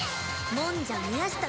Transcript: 「もんじゃみやした」